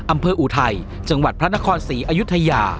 อำเภออูไทยจังหวัดพระนครศรีอายุทยา